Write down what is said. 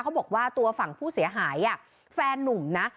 บอกว่าตัวฝั่งผู้เสียหายแฟนนุ่มนะ